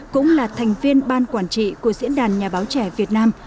cũng là thành viên ban quản trị của diễn đàn nhà báo trẻ việt nam